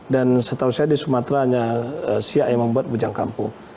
dan setahu saya di sumatera hanya siak yang membuat bujang kampung